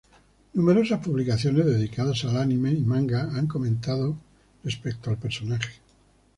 Numerosas publicaciones dedicadas al anime y manga han comentado respecto al personaje.